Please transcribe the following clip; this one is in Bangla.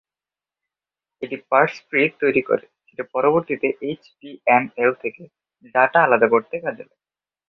এটি পার্স ট্রি তৈরী করে, যেটি পরবর্তীতে এইচটিএমএল থেকে ডাটা আলাদা করতে কাজে লাগে।